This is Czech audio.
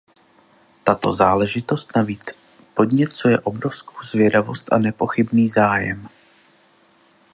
Tato záležitost navíc podněcuje obrovskou zvědavost a nepochybný zájem.